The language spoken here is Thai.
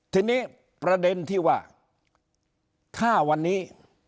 ทีนี้ประเด็นที่ว่าถ้าวันนี้